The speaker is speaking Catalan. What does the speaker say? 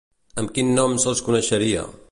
Amb quin nom se'ls coneixeria?